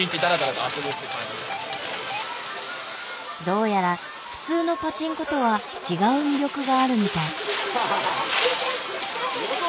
どうやら普通のパチンコとは違う魅力があるみたい。